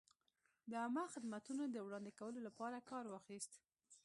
د عامه خدمتونو د وړاندې کولو لپاره کار واخیست.